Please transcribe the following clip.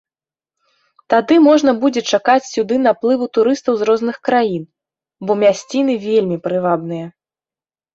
Тады можна будзе чакаць сюды наплыву турыстаў з розных краін, бо мясціны вельмі прывабныя.